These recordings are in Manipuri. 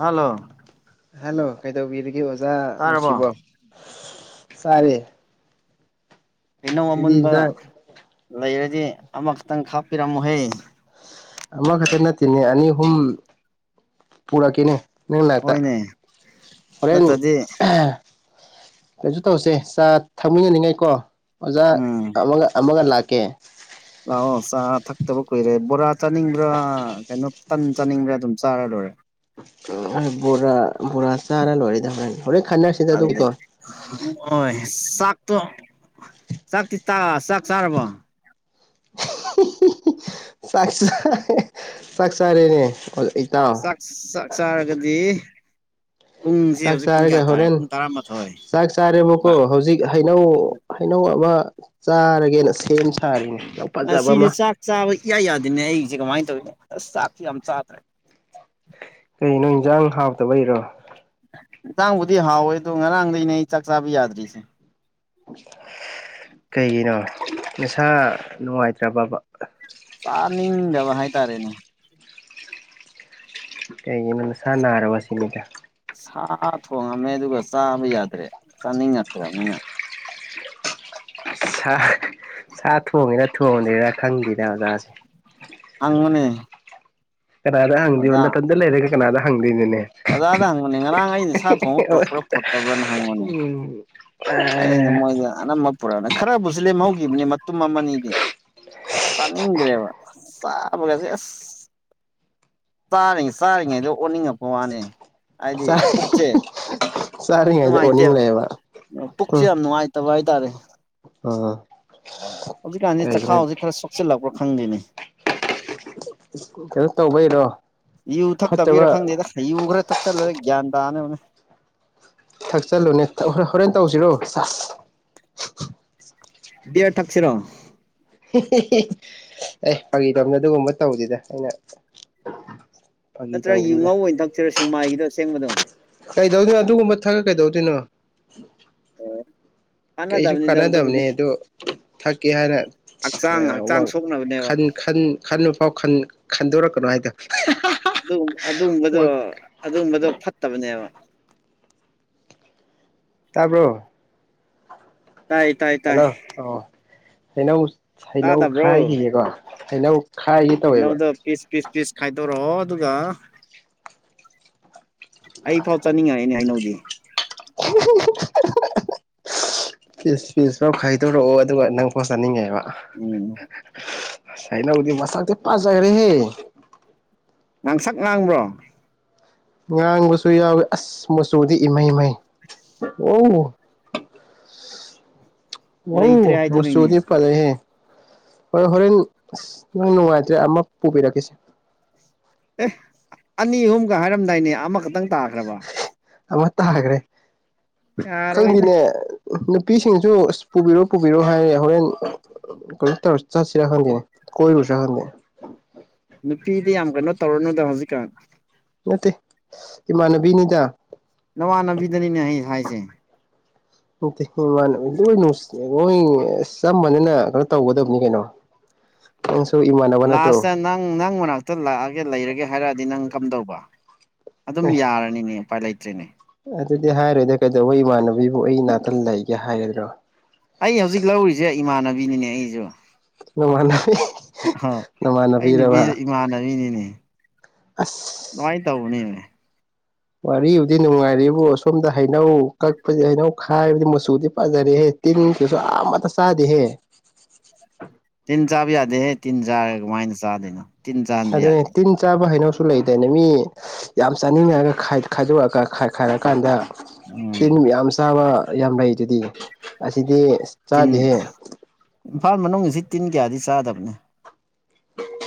ꯍꯜꯂꯣ ꯍꯜꯂꯣ ꯀꯩꯗꯧꯕꯤꯔꯒꯦ ꯑꯣꯖꯥ ꯇꯥꯔꯕꯣ ꯅꯨꯡꯁꯤꯕꯣ ꯆꯥꯔꯦ꯫ ꯍꯩꯅꯧ ꯑꯩꯗꯤ ꯑꯃꯨꯟꯕ ꯏꯟꯖꯥꯡ ꯂꯩꯔꯗꯤ ꯑꯃꯈꯛꯇꯪ ꯈꯥꯛꯄꯤꯔꯝ ꯃꯣꯍꯦ ꯑꯃꯥ ꯈꯛꯇꯥ ꯅꯠꯇꯦꯅꯦ ꯑꯅꯤ ꯍꯨꯝ ꯄꯨꯇꯥꯛꯀꯦꯅꯦ ꯅꯪ ꯅꯥꯛꯇ ꯍꯣꯏꯅꯦ ꯍꯣꯔꯦꯟ ꯅꯠꯇ꯭ꯔꯗꯤ ꯀꯩꯁꯨ ꯇꯧꯁꯦ ꯆꯥ ꯊꯛꯃꯤꯟꯅꯅꯤꯡꯉꯥꯏ ꯀꯣ ꯑꯣꯖꯥ ꯎꯝ ꯑꯃꯒ ꯑꯃꯒ ꯂꯥꯛ ꯀꯦ ꯂꯥꯛꯑꯣ ꯆꯥ ꯊꯛꯇꯕ ꯀꯨꯏꯔꯦ ꯕꯣꯔꯥ ꯆꯥꯅꯤꯡꯕ꯭ꯔꯥ ꯀꯩꯅꯣ ꯇꯟ ꯆꯥꯅꯤꯡꯕ꯭ꯔꯥ ꯑꯗꯨꯝ ꯆꯥꯔꯗ [unintelligible] ꯕꯣꯔ ꯕꯣꯔꯥ ꯆꯥꯔꯥ ꯂꯣꯏꯔꯗ ꯍꯔꯅꯤ ꯑꯗꯨ ꯍꯣꯏ ꯆꯥꯛꯇꯣ ꯆꯥꯛꯇꯤ ꯇ ꯆꯥꯛ ꯆꯥꯔꯕꯣ ꯁꯥꯁꯥ ꯁꯥꯁꯥꯔꯅꯦ ꯁꯛꯁꯛꯁꯔꯒꯗꯤ ꯆꯥꯛ ꯆꯥꯔꯒ ꯍꯣꯔꯦꯟ ꯄꯨꯡ ꯇꯔꯥꯃꯥꯊꯣꯏ ꯆꯥꯛ ꯆꯥꯔꯦꯕꯀꯣ ꯍꯧꯖꯤꯛ ꯍꯩꯅꯧ ꯍꯩꯅꯧ ꯑꯃ ꯑꯃ ꯆꯥꯔꯒꯦꯅ ꯁꯦꯝ ꯁꯥꯔꯤꯅꯦ ꯌꯥꯝ ꯐꯖꯕ ꯁꯤꯁꯦ ꯑꯃ ꯆꯥꯛ ꯆꯥꯕ ꯏꯌꯥꯏ ꯌꯥꯗꯦꯅꯦ ꯑꯩꯒꯤꯁꯦ ꯀꯃꯥꯏꯅ ꯇꯧꯋꯅꯤ ꯑ ꯁꯥꯐꯤ ꯑ ꯆ ꯍꯥ꯭ꯔ ꯀ ꯅꯣꯏ ꯏꯟꯖꯥꯡ ꯍꯥꯞꯇꯕꯩꯔꯣ ꯉꯥꯡꯕꯨꯗꯤ ꯍꯥꯎꯋꯦ ꯑꯗꯨ ꯉꯔꯥꯡꯗꯅꯦ ꯑꯩ ꯆꯥꯛ ꯆꯥꯕ ꯌꯥꯗ꯭ꯔꯤꯁꯦ ꯀꯩꯒꯤꯅꯣ ꯅꯁꯥ ꯅꯨꯡꯉꯥꯏꯇ꯭ꯔꯕꯕ ꯆꯥꯅꯤꯡꯗꯕ ꯍꯥꯏꯇꯥꯔꯦꯅꯦ ꯀꯩꯒꯤꯅ ꯅꯁꯥ ꯅꯥꯔꯕ ꯁꯤꯅꯤꯗ ꯁꯥ ꯊꯣꯡꯉꯝꯃꯦ ꯑꯗꯨꯒ ꯆꯥꯕ ꯌꯥꯗ꯭ꯔꯦ ꯆꯥꯅꯤꯡꯉꯛꯇ꯭ꯔꯕꯅꯤꯅ ꯁꯥ ꯁꯥ ꯊꯣꯡꯉꯦꯔ ꯊꯣꯡꯉꯗꯦꯔ ꯈꯪꯗꯦꯗ ꯑꯣꯖꯥꯁꯦ ꯑꯪ ꯃꯅꯦ ꯀꯅꯥꯗ ꯍꯪꯗꯤꯣꯟ ꯅ ꯇꯟꯗ ꯂꯩꯔꯦ ꯀꯅꯥꯗ ꯍꯪ ꯑꯣꯖꯥꯗ ꯍꯪꯉꯅꯦ ꯉꯔꯥꯡ ꯑꯩꯩꯅ ꯁꯥꯥ ꯊꯣꯡꯕ ꯄꯨꯔꯛꯄ꯭ꯔꯥ ꯄꯨꯔꯛꯇꯕ꯭ꯔꯥꯅ ꯍꯪꯉꯅꯦ ꯎꯝ ꯑꯩꯅ ꯃꯣꯏꯗ ꯑꯅꯝꯕ ꯄꯨꯔꯛꯑꯅ ꯈꯔꯕꯨꯁꯨ ꯂꯦꯝꯍꯧꯈꯤꯕꯅꯤ ꯃꯇꯨꯝ ꯑꯃꯅꯤꯗꯤ ꯆꯥꯅꯤꯡꯗ꯭ꯔꯦꯕ ꯆꯥꯕꯒꯁꯦ ꯑꯁ ꯆꯥꯔꯤꯉꯩ ꯆꯥꯔꯤꯉꯩꯗꯣ ꯑꯣꯟꯅꯤꯡꯉꯛꯄ ꯋꯥꯅꯦ ꯍꯥꯏꯗꯤ ꯄꯨꯛꯁꯦ ꯆꯥꯔꯤꯉꯩꯗ ꯅꯨꯡꯉꯥꯏꯇꯦꯕ ꯑꯣꯅꯤꯡꯂꯛꯑꯦꯕ ꯄꯨꯛꯁꯦ ꯌꯥꯝ ꯅꯨꯡꯉꯥꯏꯇꯕ ꯍꯥꯏꯇꯥꯔꯦ ꯑ ꯍꯧꯖꯤꯛꯀꯥꯟꯁꯤ ꯆꯈꯥꯎ ꯍꯧꯖꯤꯛ ꯈꯔ ꯁꯣꯛꯆꯤꯜꯂꯛꯄ꯭ꯔꯥ ꯈꯪꯗꯦꯅꯦ ꯀꯩꯅꯣ ꯇꯧꯕꯩꯔꯣ ꯌꯨ ꯐꯠꯇꯕ ꯊꯛꯇꯕꯤꯔ ꯈꯪꯗꯦꯗ ꯍꯌꯨ ꯈꯔ ꯊꯛꯆꯜꯂꯒ ꯒ꯭ꯌꯥꯟ ꯇꯥꯅꯕꯅꯦ ꯊꯛꯆꯜꯂꯨꯅꯦ ꯍꯣꯔꯦꯟ ꯇꯧꯁꯤꯔꯣ ꯆ ꯗꯦ ꯊꯥꯛꯁꯤꯔꯣ ꯑꯦ ꯐꯥꯒꯤ ꯇꯣꯝꯅ ꯑꯗꯨꯒꯨꯝꯕ ꯇꯧꯁꯤꯗ ꯑꯩꯅ ꯐꯥꯒꯤ ꯅꯠꯇ꯭ꯔꯒ ꯌꯨꯉꯧ ꯇꯧꯕꯅꯤꯗ ꯑꯣꯏꯅ ꯊꯛꯇꯁꯤꯔꯣ ꯁꯦꯡꯃꯥꯏꯒꯤꯗꯣ ꯑꯁꯦꯡꯕꯗꯣ ꯀꯩꯗꯧꯗꯣꯏꯅꯣ ꯑꯗꯨꯒꯨꯝꯕ ꯊ ꯀꯩꯗꯧꯗꯣꯏꯅꯣ ꯑꯣ ꯀꯩꯁꯨ ꯀꯥꯟꯅꯗꯕꯅꯦ ꯑꯣ ꯊꯛꯀꯦ ꯍꯥꯏꯅ ꯍꯛꯆꯥꯡ ꯍꯛꯆꯥꯡ ꯁꯣꯛꯅꯕꯅꯦꯕ ꯈꯟꯕ ꯐꯥꯎ ꯈꯟꯗꯣꯔꯛꯀ ꯍꯥꯏꯣ ꯑꯗꯨꯒꯨꯝꯕꯗꯣ ꯑꯗꯨꯒꯨꯝꯕꯗꯣ ꯐꯠꯇꯕꯅꯦꯕ ꯇꯥꯔꯕ꯭ꯔꯣ ꯇꯥꯏ ꯇꯥꯏ ꯇꯥꯏ ꯑꯣ ꯍꯩꯅꯧ ꯍꯩꯅꯧ ꯈꯥꯏꯈꯤꯌꯦꯀꯣ ꯍꯩꯅꯧ ꯈꯥꯏꯒꯦ ꯇꯧꯋꯦꯕ ꯑꯩꯅꯗ ꯄꯤꯁ ꯄꯤꯁ ꯄꯤꯁ ꯈꯥꯏꯗꯧꯔꯣ ꯑꯗꯨꯒ ꯑꯩ ꯐꯥꯎ ꯆꯠꯅꯤꯡꯉꯥꯏꯅꯦ ꯍꯥꯏꯅꯧꯖꯤ [inaudible] ꯄꯤꯁ ꯄꯤꯁ ꯐꯥꯎ ꯈꯥꯏꯗꯣꯔꯛꯑꯣ ꯑꯗꯨꯒ ꯅꯪ ꯄꯣ ꯆꯥꯅꯤꯡꯉꯦꯕ ꯎꯝ ꯁꯥꯏ ꯂ ꯎꯗꯤ ꯃꯁ ꯄꯥꯁꯖꯒ ꯔꯦ ꯍꯦ ꯉꯥꯡꯁꯛ ꯉꯥꯡꯕ꯭ꯔꯣ ꯉꯥꯡꯕꯁꯨ ꯌꯥꯎꯋꯦ ꯑꯁ ꯃꯆꯨꯗꯤ ꯏꯃꯩ ꯃꯩ ꯑꯣ [unintelligible] ꯑ ꯂꯩꯇ꯭ꯔꯦ ꯍꯥꯏꯗꯨꯅꯤꯅꯦ ꯃꯁꯨꯗꯤ ꯐꯂꯦꯍꯦ ꯍꯣꯏ ꯍꯣꯔꯦꯟꯁ ꯅꯪ ꯅꯨꯡꯉꯥꯏꯇ꯭ꯔꯦ ꯑꯃ ꯄꯨꯕꯤꯔꯛꯈꯤꯁꯦ ꯑꯦ ꯑꯅꯤ ꯑꯍꯨꯝꯒ ꯍꯥꯏꯔꯝꯗꯥꯏꯅꯦ ꯑꯃꯈꯛꯇꯪ ꯇꯥꯈ꯭ꯔꯕ ꯑꯃ ꯇꯥꯈ꯭ꯔꯦ ꯌꯥꯔꯣꯏꯗ ꯈꯪꯕꯤꯅꯦ ꯅꯨꯄꯤꯁꯤꯡꯁꯨ ꯑꯁ ꯄꯨꯕꯤꯔꯣ ꯄꯨꯕꯤꯔꯣ ꯍꯥꯏꯔ ꯍꯣꯔꯦꯟ ꯀ ꯆꯁꯤꯔ ꯈꯥꯟꯗꯦ ꯀꯣꯏ ꯔꯨꯁꯔ ꯈꯗ ꯅꯨꯄꯤꯗꯤ ꯌꯥꯝ ꯀꯩꯅꯣ ꯇꯧꯔꯅꯨꯗ ꯍꯧꯖꯤꯛꯀꯥꯟ ꯅꯠꯇꯦ ꯏꯃꯥꯟꯅꯕꯤꯅꯤꯗ ꯅꯋꯥ ꯅꯕꯤꯗꯅꯤꯅꯦ [unintelligible] ꯅ ꯍꯣꯏ ꯑꯁ ꯆꯞ ꯃꯅꯤꯅ ꯀꯩꯅꯣ ꯇꯧꯒꯗꯕꯅꯤ ꯀꯩꯅꯣ ꯏꯃꯥꯟꯅꯕ ꯅꯠꯇ꯭ꯔꯣ ꯂꯥꯁꯇ ꯅꯪ ꯅꯪ ꯃꯅꯥꯛꯇ ꯂꯥꯛꯑꯒꯦ ꯂꯩꯔꯒꯦ ꯍꯥꯏꯔꯛꯑꯗꯤ ꯅꯪ ꯀꯝꯗꯧꯕ ꯑꯗꯨꯝ ꯑꯦ ꯌꯥꯔꯅꯤꯅꯦ ꯎꯄꯥꯏ ꯂꯩꯇ꯭ꯔꯔꯤꯅꯦ ꯑꯗꯨꯗꯤ ꯍꯥꯏꯔꯣꯏꯗ ꯀꯩꯗꯧꯕ ꯏꯃꯥꯟꯅꯕꯤꯕꯨ ꯑꯩ ꯅꯥꯇꯟ ꯂꯩꯒꯦ ꯍꯥꯏꯒꯗ꯭ꯔꯣ ꯑꯩ ꯍꯧꯖꯤꯛ ꯂꯧꯔꯤꯁꯦ ꯏꯃꯥꯟꯅꯕꯤꯅꯤꯅꯦ ꯑꯩꯁꯨ ꯅꯃꯥꯟꯅ ꯍ ꯑꯩ ꯅꯨꯄꯤꯁ ꯏꯃꯥꯟꯅꯕꯤꯅꯤꯅꯦ ꯑꯁ ꯅꯨꯡꯥꯏ ꯇꯧꯅꯤ ꯋꯥꯔꯤꯕꯨꯗꯤ ꯅꯨꯡꯉꯥꯏꯔꯤꯕꯕꯨ ꯑꯁꯣꯝꯗ ꯍꯩꯅꯧ ꯀꯛꯄꯗꯤ ꯍꯩꯅꯧ ꯈꯥꯏꯕꯗꯤ ꯃꯆꯨꯗꯤ ꯄꯥꯖꯔꯦꯍꯦ ꯇꯤꯟ ꯆꯁꯨꯃ ꯇ ꯁꯥꯗꯤ ꯍꯦ ꯇꯤꯟ ꯆꯥꯕ ꯌꯥꯗꯦꯍꯦ ꯇꯤꯟ ꯆꯥꯔ ꯀꯃꯥꯏꯅ ꯆꯥꯗꯣꯏꯅꯣ ꯇꯤꯟ ꯆꯥꯟꯕ ꯑꯗꯨꯗ ꯌꯥꯗꯦ ꯇꯤꯟ ꯆꯥꯕ ꯍꯩꯅꯣ ꯁꯨ ꯂꯩꯗꯅ ꯃꯤ ꯌꯥꯝ ꯆꯥꯅꯤꯡꯉꯒ ꯈꯥꯏꯗꯣꯛꯑꯒ ꯈꯥꯏꯈꯥꯏꯔ ꯀꯥꯟꯗ ꯇꯤꯟ ꯎꯝ ꯌꯥꯝ ꯆꯥꯕ ꯌꯥꯝ ꯂꯩ ꯑꯗꯨꯗꯤ ꯑꯁꯤꯗꯤ ꯇꯤꯟ ꯆꯥꯗꯦꯍꯦ ꯏꯝꯐꯥꯜ ꯃꯅꯨꯡꯁꯤ ꯇꯤꯟ ꯀꯌꯥꯗꯤ ꯆꯥꯗꯕꯅꯤ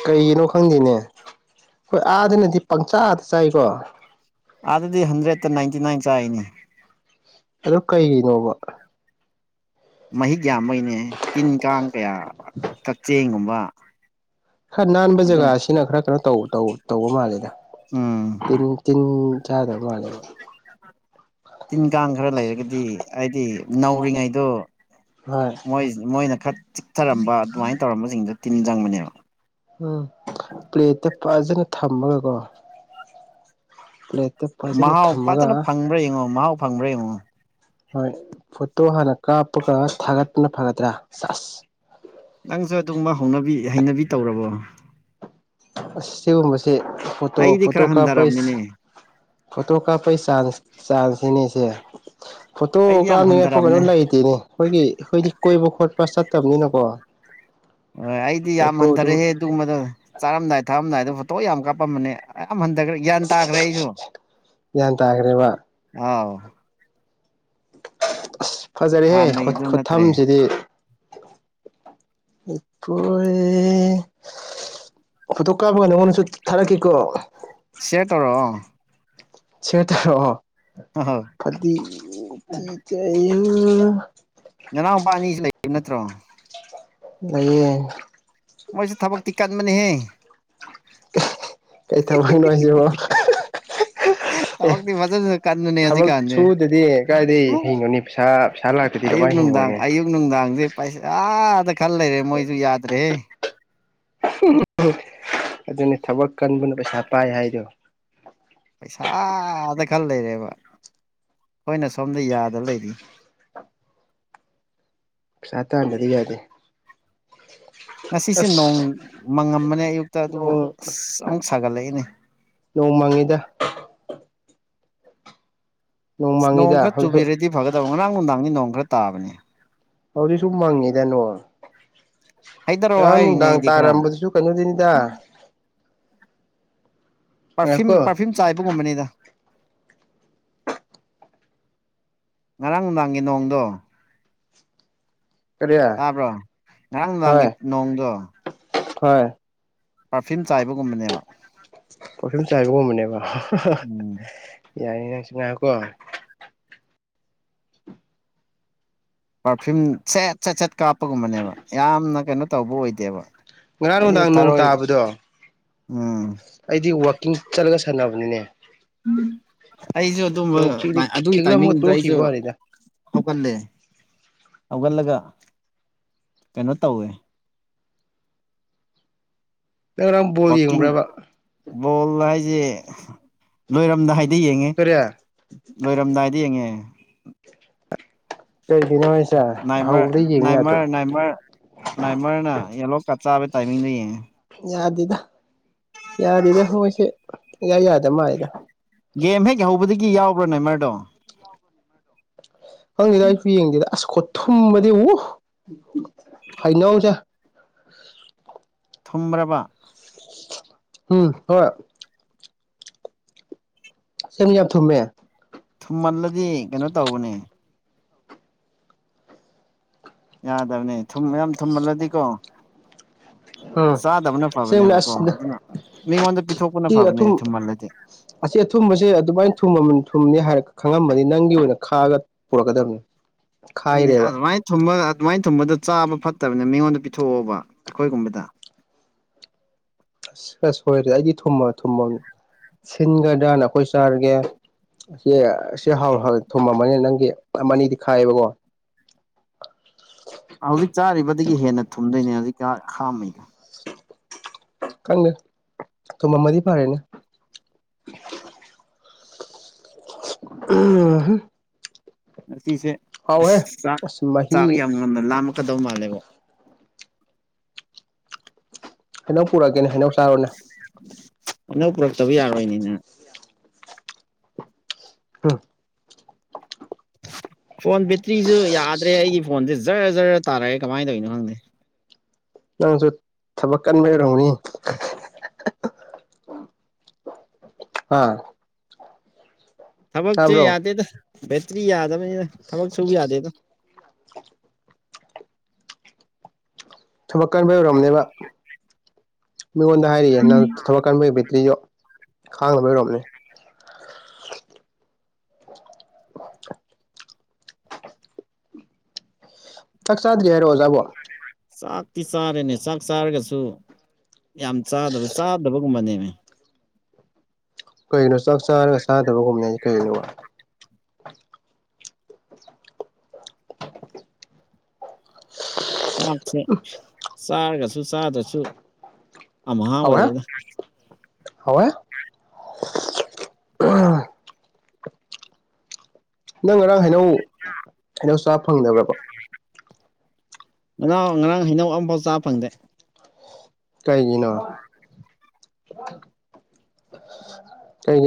ꯀꯩꯒꯤꯅꯣ ꯈꯪꯗꯦꯅꯦ ꯍꯣꯏ ꯑꯥꯗꯅꯗꯤ ꯄꯪꯆꯥꯗ ꯆꯥꯏꯀꯣ ꯆꯥꯏꯅꯥ ꯑ ꯀꯩꯒꯤꯅꯣꯕ ꯃꯍꯤꯛ ꯌꯥꯝꯕꯩꯅꯦ ꯇꯤꯟ ꯀꯥꯡ ꯀꯌꯥ ꯀꯛꯆꯦꯡꯒꯨꯝꯕ ꯈꯔ ꯅꯥꯟꯕ ꯑꯗꯨꯝ ꯖꯒꯥꯁꯤꯅ ꯈꯔ ꯀꯩꯅꯣ ꯇꯧꯕ ꯃꯥꯜꯂꯦꯗ ꯎꯝ ꯇꯤꯟ ꯇꯤꯟ ꯆꯥꯗꯕ ꯃꯥꯂꯦ ꯇꯤꯟ ꯀꯥꯡ ꯈꯔ ꯂꯩꯔꯒꯗꯤ ꯍꯥꯏꯗꯤ ꯅꯧꯔꯤꯉꯩꯗꯣ ꯍꯣꯏ ꯃꯣꯏ ꯃꯣꯏꯅ ꯈꯔ ꯆꯤꯛꯊꯔꯝꯕ ꯑꯗꯨꯃꯥꯏꯅ ꯇꯧꯔꯝꯕꯁꯤꯡꯗ ꯇꯤꯟ ꯆꯪꯕꯅꯦꯕ ꯎꯝ ꯄ꯭ꯂꯦꯠꯇ ꯐꯖꯅ ꯊꯝꯃꯒꯀꯣ ꯐꯖꯅ ꯃꯍꯥꯎ ꯊꯝꯃꯒ ꯐꯖꯅ ꯐꯪꯕ꯭ꯔꯥ ꯌꯦꯡꯉꯣ ꯃꯍꯥꯎ ꯐꯪꯕ꯭ꯔꯥ ꯌꯦꯡꯉꯣ ꯍꯣꯏ ꯐꯣꯇꯣ ꯍꯥꯟꯅ ꯀꯥꯞꯄꯒ ꯊꯥꯒꯠꯄꯅ ꯐꯒꯗ꯭ꯔꯥ ꯆꯥꯔꯖ ꯅꯪꯁꯨ ꯑꯗꯨꯒꯨꯝꯕ ꯍꯧ ꯍꯩꯅꯕꯤ ꯇꯧꯔꯕꯣ ꯑꯁ ꯁꯤꯕꯨꯨꯝꯕꯁ ꯐ ꯑꯩꯗꯤ ꯈꯔ ꯐꯣꯇꯣꯩ ꯍꯟꯊꯔꯕꯅꯤꯅꯦ ꯐꯣꯇꯣ ꯀ ꯄꯩꯁ ꯆꯥꯟꯁ ꯁꯤꯅꯦꯁꯦ ꯐꯣꯇꯣ ꯑꯩꯗꯤ ꯌꯥꯝ ꯀꯥꯞꯅꯤꯡꯉꯥꯏ ꯐꯣ ꯀꯩꯅꯣ ꯍꯟꯊꯔꯕꯅꯦ ꯂꯩꯇꯦꯅꯦ ꯑꯩꯈꯣꯏꯒꯤ ꯑꯩꯈꯣꯏꯗꯤ ꯀꯣꯏꯕ ꯈꯣꯠꯄ ꯆ ꯇꯕꯅꯤꯅꯀꯣ ꯍꯣꯏ ꯑꯩꯗꯤ ꯌꯥꯝ ꯍꯟꯊꯔꯛꯍꯦ ꯑꯗꯨꯒꯨꯝꯕꯗ ꯆꯥꯔꯝꯗꯥꯏ ꯊꯛꯔꯝꯗꯥꯏ ꯑꯗꯣ ꯐꯣꯇꯣ ꯌꯥꯝ ꯀꯥꯞꯄꯝꯕꯅꯦ ꯑ ꯍꯟꯊꯈ꯭ꯔꯦ ꯒ꯭ꯌꯥꯟ ꯇꯥꯈ꯭ꯔꯦ ꯑꯩꯁꯨ ꯒ꯭ꯌꯥꯟ ꯇꯥꯈ꯭ꯔꯦꯕ ꯑꯥꯎ ꯑꯁ ꯐꯖꯔꯦꯍꯦ ꯍꯥꯟꯅꯒꯤꯗꯨ ꯅꯠꯇ꯭ꯔꯦ ꯈꯨꯊꯝꯁꯤꯗꯤ ꯏꯄꯦ ꯐꯣꯇꯣ ꯀꯥꯞꯄꯒ ꯅꯉꯣꯟꯗꯁꯨ ꯊꯥꯔꯛꯈꯤꯀꯣ ꯁꯦꯔꯇꯧꯔꯛꯑꯣ ꯁꯦꯔꯇꯧꯔꯛꯑꯣ ꯍꯣꯏ ꯅꯅꯥꯎꯄꯥ ꯑꯅꯤꯁꯨ ꯂꯩꯕ ꯅꯠꯇ꯭ꯔꯣ ꯂꯩꯌꯦ ꯃꯣꯏꯁꯦ ꯊꯕꯛꯇꯤ ꯀꯟꯕꯅꯤꯍꯦ ꯀꯩ ꯊꯃꯅꯅꯨꯡꯉꯁꯤꯕ ꯑꯦ ꯊꯕꯛꯇꯤ ꯐꯖꯅ ꯀꯟꯕꯅꯦ ꯊꯕꯛ ꯍꯧꯖꯤꯛꯀꯥꯟꯁꯦ ꯁꯨꯗꯗꯤ ꯀꯗꯥꯗꯒꯤꯩ ꯍꯩꯅꯣꯅꯤ ꯄꯩꯁꯥ ꯄꯩꯁꯥ ꯂꯥꯛꯇꯗꯤ ꯑꯌꯨꯛ ꯀꯃꯥꯏꯅ ꯅꯨꯡꯗꯥꯡ ꯍꯤꯡꯉꯨꯅꯤ ꯑꯌꯨꯛ ꯅꯨꯡꯗꯥꯡꯗꯤꯦ ꯄꯩꯁꯥ ꯗ ꯈꯜ ꯂꯩꯔꯦ ꯃꯣꯏꯁꯨ ꯌꯥꯗ꯭ꯔꯦ ꯑꯗꯨꯅꯤ ꯊꯕꯛ ꯀꯟꯕꯅ ꯄꯩꯁꯥ ꯄꯥꯏ ꯍꯥꯏꯗꯣ ꯄꯩꯁꯥꯗ ꯈꯔ ꯂꯩꯔꯦꯕ ꯑꯩꯈꯣꯏꯅ ꯁꯣꯝꯗ ꯌꯥꯗ ꯂꯩꯔꯤ ꯆꯥ ꯇꯥꯟꯕꯗꯤ ꯌꯥꯗꯦ ꯉꯁꯤꯁꯦ ꯅꯣꯡ ꯑꯁ ꯃꯪꯉꯝꯕꯅꯦ ꯑꯌꯨꯛꯇ ꯑꯗꯨꯕꯨ ꯅꯣꯡ ꯑꯁ ꯑꯃꯨꯛ ꯁꯥꯒꯠꯂꯛꯏꯅꯦ ꯅꯣꯡ ꯃꯪꯉꯤꯗ ꯑꯁ ꯅꯣꯡ ꯈꯔ ꯆꯨꯕꯤꯔꯗꯤ ꯐꯒꯗꯕ ꯉꯔꯥꯡ ꯅꯨꯡꯗꯥꯡꯅꯤ ꯅꯣꯡ ꯈꯔ ꯇꯥꯕꯅꯤ ꯍꯧꯥꯎꯗꯤ ꯁꯨꯝ ꯃꯥꯡꯉꯤ ꯇꯅꯣ ꯍꯥꯏꯊꯔꯛꯑꯣ ꯉꯔꯥꯡ ꯍꯥꯏꯔꯤꯅꯦ ꯅꯨꯡꯗꯥꯡ ꯑꯩꯗꯤ ꯈꯔ ꯇꯥꯔꯝꯕꯗꯨꯁꯨ ꯀꯩꯅꯣꯗꯅꯤꯗ ꯄꯔꯐ꯭ꯌꯨꯝ ꯉꯥꯏꯈꯣꯀꯣ ꯄꯔꯐ꯭ꯌꯨꯝ ꯆꯥꯏꯕꯒꯨꯝꯕꯅꯤꯗ ꯉꯔꯥꯡ ꯅꯨꯡꯗꯥꯡꯒꯤ ꯅꯣꯡꯗꯣ ꯀꯔꯤ ꯇꯥꯕ꯭ꯔꯣ ꯉꯔꯥꯡ ꯍꯣꯏ ꯅꯨꯡꯗꯥꯡꯉ ꯅꯣꯡꯗꯣ ꯍꯣꯏ ꯄꯥꯔꯐ꯭ꯌꯨꯝ ꯆꯥꯏꯕꯒꯨꯝꯕꯅꯦꯕ ꯄꯔꯐ꯭ꯌꯨꯝ ꯆꯥꯏꯒꯒꯨꯝꯕꯅꯦꯕ ꯎꯝ ꯌꯥꯏꯌꯦ ꯅꯪ ꯁꯅꯀꯣ ꯄꯥꯔꯐ꯭ꯌꯨꯝ ꯁꯦꯠ ꯁꯦꯠ ꯁꯦꯠ ꯀꯥꯞꯄꯒꯨꯝꯕꯅꯦꯕ ꯌꯥꯝꯅ ꯀꯩꯅꯣ ꯇꯧꯕ ꯑꯣꯏꯗꯦꯕ ꯉꯔꯥꯡ ꯑꯩꯁꯦ ꯅꯨꯡꯗꯥꯡ ꯅꯣꯡ ꯊꯔꯣꯏ ꯇꯥꯕꯗꯣ ꯎꯝ ꯑꯩꯗꯤ ꯆꯠꯂꯒ ꯁꯥꯟꯅꯕꯅꯤꯅꯦ ꯑꯩꯁꯨ ꯑꯗꯨꯝꯕ ꯅꯣꯡ ꯈꯤꯛꯂꯤ ꯑꯗꯨꯒꯤ ꯈꯤꯛꯂꯝꯃꯒ ꯇꯥꯏꯃꯤꯡꯗꯨꯗ ꯑꯩꯁꯨ ꯇꯣꯛꯈꯤꯕ ꯋꯥꯅꯤꯗ ꯍꯧꯒꯠꯂꯦ ꯍꯧꯒꯠꯂꯒ ꯀꯩꯅꯣ ꯇꯧꯋꯦ ꯅꯪ ꯉꯔꯥꯡ ꯕꯣꯜ ꯌꯦꯡꯕ꯭ꯔꯕ ꯀꯆꯤꯡꯣꯜ ꯁꯤ ꯂꯣꯏꯔꯝꯗꯥꯏꯗ ꯌꯦꯡꯉꯦ ꯀꯔꯤ ꯂꯣꯏꯔꯝꯗꯥꯏꯗ ꯌꯦꯡꯉꯦ ꯀꯩꯒꯤꯅꯣ ꯍꯥꯏꯁꯦ ꯅꯥꯏꯃꯔ ꯍꯧꯕꯗ ꯌꯦꯡꯉ ꯌꯥꯗ꯭ꯔꯣ ꯅꯥꯏꯃꯔ ꯅꯥꯏꯃꯔ ꯅꯥꯏꯃꯔꯅ ꯌꯦꯂꯣꯀꯞ ꯆꯥꯕꯒꯤ ꯇꯥꯏꯃꯤꯡꯗꯣ ꯌꯦꯡꯉꯦ ꯌꯥꯗꯦꯗ ꯌꯥꯗꯦꯗ ꯃꯣꯏꯁꯦ ꯌꯥꯌꯥ ꯌꯥꯗ ꯃꯥꯜꯂꯤꯗ ꯒꯦꯝ ꯍꯦꯛ ꯍꯧꯕꯗꯒꯤ ꯌꯥꯎꯕ꯭ꯔꯥ ꯅ ꯃꯔꯔꯗꯣ ꯈꯪꯉꯗ ꯑꯩꯁꯨ ꯌꯦꯡꯦ ꯑꯁ ꯈꯣ ꯊꯨꯝꯕꯗꯤ ꯎ ꯍꯥꯏꯅꯧꯁꯦ ꯊꯨꯝ꯭ꯔꯕ ꯎꯝ ꯍꯣꯏ ꯁ ꯌꯥꯝ ꯊꯨꯝꯃꯦ ꯊꯨꯝꯃꯟꯂꯗꯤ ꯀꯩꯅꯣ ꯇꯧꯕꯅꯦ ꯌꯥꯗꯕꯅꯦ ꯊꯨꯝ ꯌꯥꯝ ꯊꯨꯝꯍꯜꯂꯗꯤꯀꯣ ꯎꯝ ꯆꯥꯗꯕꯅ ꯁꯦꯝꯅ ꯐꯕꯅꯦꯕꯀꯣ ꯑꯁ ꯑꯗꯨꯅ ꯃꯤꯉꯣꯟꯗ ꯄꯤꯊꯣꯛꯄꯅ ꯁꯤ ꯐꯕꯅꯦ ꯑꯊꯨꯝ ꯊꯨꯝꯍꯜꯂꯗꯤ ꯑꯁꯤ ꯑꯊꯨꯝꯕꯁꯦ ꯑꯗꯨꯃꯥꯏꯅ ꯊꯨꯝꯅꯤ ꯍꯥꯏꯔꯛ ꯈꯪꯉꯃꯅꯤ ꯅꯪꯒꯤ ꯑꯣꯏꯅ ꯈꯥꯒ ꯄꯨꯔꯛꯀꯗꯕꯅꯤ ꯈꯥꯏꯔꯦꯕ ꯑꯗꯨꯥꯏ ꯊꯨꯝꯃꯒꯥ ꯑꯗꯨꯃꯥꯏꯅ ꯊꯨꯝꯕꯗ ꯆꯥꯕ ꯐꯠꯇꯕꯅꯤ ꯃꯤꯉꯣꯟꯗ ꯄꯤꯊꯣꯛꯑꯣꯕ ꯑꯩꯈꯣꯏꯒꯨꯝꯕꯗ ꯑꯁ ꯑꯁ ꯁꯣꯏꯔꯦ ꯑꯩꯗꯤ ꯊꯨꯝꯃ ꯊꯨꯝꯃꯅꯤ ꯁꯤꯟꯒ꯭ꯔꯅ ꯑꯩꯈꯣꯏ ꯆꯥꯔꯒꯦ ꯁꯤ ꯁꯤ ꯍꯥꯎꯦ ꯍꯥꯎꯦ ꯊꯨꯝꯃꯝꯕꯅꯤ ꯅꯪꯒꯤ ꯑꯅꯤꯗꯤ ꯈꯥꯏꯌꯦꯕꯀꯣ ꯍꯧꯖꯤꯛ ꯆꯥꯔꯤꯕꯗꯒꯤ ꯍꯦꯟꯅ ꯊꯨꯝꯗꯣꯏꯅꯦ ꯍꯧꯖꯤꯛ ꯈꯥꯉꯩꯗꯣ ꯀꯪꯒ ꯇ ꯃꯃꯥꯗꯤ ꯐꯥꯔꯦꯅꯦ ꯑ [unintelligible] [inaudible] ꯉꯁꯦ ꯆꯥꯛ ꯑꯁ ꯃꯍꯤ ꯆꯥꯛ ꯌꯥꯝ ꯉꯅ ꯂꯥꯝꯂꯀꯗꯧ ꯃꯥꯜꯂꯦꯕꯣ ꯍꯩꯅꯧ ꯄꯨꯔꯛꯀꯦꯅꯦ ꯍꯩꯅꯧ ꯆꯥꯔꯨꯅꯦ ꯑꯩꯅ ꯄꯨꯔꯛꯇꯕ ꯌꯥꯔꯣꯏꯅꯤꯅ ꯑꯝ [inaudible] ꯐꯣꯟ ꯕꯦꯇ꯭ꯔꯤꯁꯨ ꯌꯥꯗ꯭ꯔꯦ ꯑꯩꯒꯤ ꯐꯣꯟꯁꯦ ꯖꯔ ꯖꯔ ꯇꯥꯔꯛꯑꯦ ꯀꯃꯥꯏꯅ ꯇꯧꯔꯤꯅꯣ ꯈꯪꯗꯦ ꯅꯪꯁꯨ ꯊꯕꯛ ꯀꯟꯕ ꯌꯔꯝꯅꯤ [inaudible] ꯑꯥ [inaudible] [unintelligible] ꯊꯕꯛꯁꯦ ꯌꯥꯗꯦꯗ ꯕꯦꯇ꯭ꯔꯤ ꯌꯥꯗꯕꯅꯤꯅ ꯊꯕꯛ ꯁꯨ ꯌꯥꯗꯦꯗ ꯊꯕꯛ ꯀꯟꯕ ꯑꯣꯏꯔꯝꯅꯦꯕ ꯃꯤꯉꯣꯟꯗ ꯍꯥꯏꯔꯤꯛꯌꯦꯦ ꯅꯪ ꯊꯕꯛ ꯀꯟꯕꯒꯤ ꯕꯦꯇ꯭ꯔꯤ ꯌꯣ ꯈꯥꯡꯕꯔꯣꯝꯅꯦ ꯆꯥꯛ ꯆꯥꯗ꯭ꯔꯤ ꯍꯥꯏꯔꯣ ꯑꯣꯖꯥꯕꯣ ꯆꯥꯛꯇꯤ ꯆꯥꯔꯦꯅꯦ ꯆꯥꯛ ꯆꯥꯔꯒꯁꯨ ꯌꯥꯝ ꯆꯥꯗꯕ ꯆꯥꯗꯕꯒꯨꯝꯕꯅꯦꯅꯦ ꯀꯒꯤꯅꯣ ꯆꯥꯛ ꯆꯥꯔꯒ ꯆꯥꯗꯕꯒꯨꯝꯅ ꯀꯩꯅꯣ ꯆꯥꯛꯁꯦ ꯆꯥꯔꯒꯁꯨ ꯆꯥꯗ꯭ꯔꯁꯨ ꯑ ꯃꯍꯥ ꯑꯣꯏꯔꯦꯗ ꯍꯋ [inaudible] ꯅꯪ ꯉꯔꯥꯡ ꯍꯩꯅꯧ ꯍꯩꯅꯧ ꯆꯥ ꯐꯪꯗꯕꯗꯔꯕ ꯉꯅꯥꯎ ꯉꯔꯥꯡ ꯍꯩꯅꯧ ꯑꯃꯐꯥꯎ ꯆꯥ ꯐꯪꯗꯦ ꯀꯥꯏꯒꯤꯅ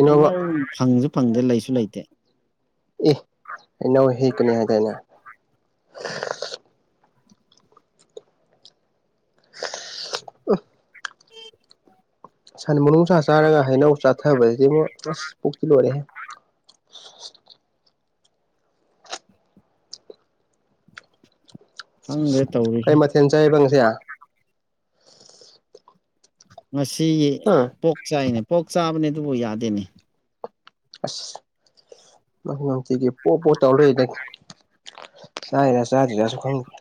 ꯑꯩ ꯅꯪ ꯐꯪꯁꯨ ꯐꯪꯗꯦ ꯂꯩꯁꯨ ꯂꯩꯇꯦ ꯏ ꯑ ꯅꯧ ꯍꯦꯛꯀꯅꯤ ꯍꯥꯏꯇꯥꯅ ꯎ [unintelligible] [inaudible] ꯁꯟ ꯃꯅꯨꯡꯅꯨꯡꯁꯥ ꯆꯥꯔꯒ ꯍꯩꯅꯧ ꯆꯥꯊꯕꯁꯤꯗꯤ ꯑꯃꯨꯛ ꯑꯁ ꯄꯨꯛꯇꯤ ꯂꯣꯏꯔꯦꯍꯦ [inaudible] [unintelligible] ꯍꯪꯦ [unintelligible] [inaudible] ꯀꯩ ꯃꯊꯦꯜ ꯆꯥꯕ ꯉꯁꯦ ꯉꯁꯤ ꯄꯣꯛ ꯆꯥꯏꯅꯦ ꯄꯣꯛ ꯆꯥꯕꯅꯦ ꯑꯗꯨꯕꯨ ꯌꯥꯗꯦꯅꯦ [inaudible] [unintelligible] ꯑꯁ ꯃ ꯅꯨꯡꯇꯤꯒꯤ ꯄꯣ ꯄꯣ ꯇꯧꯔꯣꯏꯏ ꯅ ꯑꯔ ꯆ ꯆꯥꯁꯤ ꯆꯁꯨ ꯈꯪꯒꯦ [inaudible]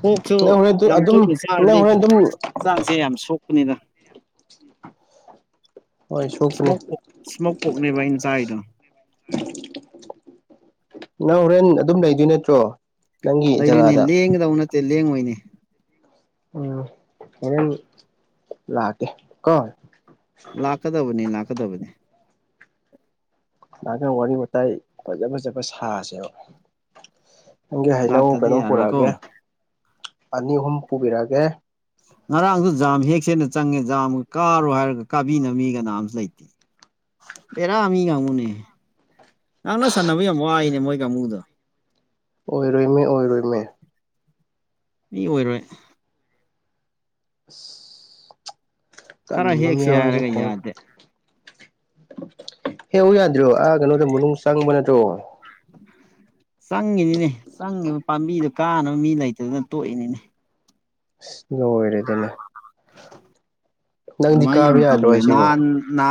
ꯀꯣꯛꯁꯨ ꯅꯪ ꯍꯣꯔꯦꯟ ꯌꯥꯝ ꯑꯗꯨꯝ ꯇꯣꯛꯏ ꯅꯪ ꯆꯥꯔꯗꯤ ꯍꯣꯔꯦꯟ ꯑꯗꯨꯝ ꯆꯥꯛꯁꯦ ꯌꯥꯝ ꯁꯣꯛꯄꯅꯤꯅ ꯍꯣꯏ ꯁꯣꯛꯄꯅꯦ ꯏꯁꯃꯣꯛ ꯄꯣꯛ ꯏꯁꯃꯣꯛ ꯄꯣꯛꯅꯦꯕ ꯑꯩꯅ ꯆꯥꯔꯤꯗꯅ ꯅꯪ ꯍꯣꯔꯦꯟ ꯑꯗꯨꯝ ꯂꯩꯗꯣꯏ ꯅꯠꯇ꯭ꯔꯣ ꯅꯪꯒꯤ ꯂꯩꯗꯣꯏꯅꯦ ꯖꯒꯥꯗ ꯂꯦꯡꯒꯗꯧ ꯅꯠꯇꯦ ꯂꯦꯡꯉꯣꯏꯅꯦ ꯎꯝ ꯍ ꯂꯥꯛꯑꯒꯦ ꯀꯣ ꯂꯥꯛꯀꯗꯕꯅꯤ ꯂꯥꯛꯀꯗꯕꯅꯤ ꯉꯍꯅ ꯋꯥꯔꯤ ꯋꯥꯋꯇꯥꯏ ꯐꯖ ꯐꯖꯕ ꯁꯥꯁꯦꯕ ꯅꯪꯒꯤ ꯍꯩꯅꯧ ꯂꯥꯛꯇꯗꯤ ꯀꯩꯅꯣꯝ ꯌꯥꯔꯣꯏꯀꯣ ꯄꯨꯔꯛꯑꯒꯦ ꯑꯅꯤ ꯑꯍꯨꯝ ꯄꯨꯕꯤꯔꯛꯑꯒꯦ ꯉꯔꯥꯡꯁꯨ ꯥꯝ ꯍꯦꯛꯁꯦꯠꯅ ꯆꯪꯉꯦꯖꯥ ꯑꯃ ꯀꯥꯔꯣ ꯍꯥꯏꯔꯒ ꯀꯥꯕꯤꯅꯕ ꯃꯤ ꯀꯅꯥꯝꯁꯨ ꯂꯩꯇꯦ ꯍꯦꯔꯥ ꯑꯃꯤ ꯀꯃꯅꯦ ꯉꯡ ꯅ ꯁꯥꯟꯅꯕ ꯌꯥꯝ ꯋꯥꯏꯅꯦ ꯃꯣꯏ ꯀꯥꯡꯨꯗꯣ ꯑꯣꯏꯔꯣꯏꯃꯦ ꯑꯣꯏꯔꯣꯏꯃꯦ ꯃꯤ ꯑꯣꯏꯔꯣꯏ ꯑꯁ ꯈꯔ ꯆꯠꯅꯤꯡꯕ ꯑꯃ ꯍꯦꯛꯁꯦ ꯌꯥꯎꯔꯤꯁꯤꯦ ꯍꯥꯏꯔꯒ ꯈꯣꯡ ꯌꯥꯗꯦ ꯍꯦ ꯑꯣ ꯌꯥꯗ꯭꯭ꯔꯣ ꯑꯥ ꯀꯩꯅꯣꯗ ꯃꯅꯨꯡ ꯆꯪꯕ ꯅꯠꯇ꯭ꯔꯣ ꯆꯪꯉꯤꯅꯤꯅꯦ ꯆꯪꯉꯤꯕ ꯄꯥꯝꯕꯤꯗꯨꯣ ꯀꯥꯅꯕ ꯃꯤ ꯂꯩꯇꯗꯅ ꯇꯣꯛꯏꯅꯤꯅꯦ ꯑꯁ ꯂ ꯑꯣꯏꯔꯦꯗꯅ ꯑꯗꯨꯃꯥꯏ ꯌꯥꯝ ꯌꯥꯗ꯭ꯔꯣ ꯇꯧꯦ ꯍꯥꯏꯁꯤꯕꯣ ꯅꯥꯟ ꯅ